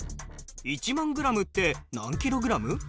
１万グラムって何キログラム？